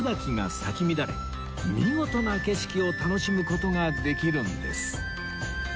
見事な景色を楽しむ事ができるんです